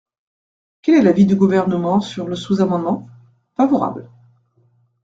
Quel est l’avis du Gouvernement sur le sous-amendement ? Favorable.